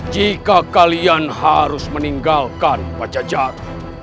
jika kalian harus meninggalkan pajajar